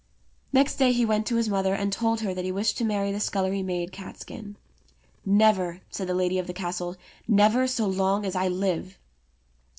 Next day he went to his mother, and told her that he wished to marry the scullery maid, Catskin. 170 ENGLISH FAIRY TALES "Never," said the lady of the Castle, "never so long as I live."